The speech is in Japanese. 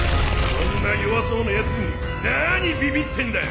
こんな弱そうなやつになにビビってんだよ！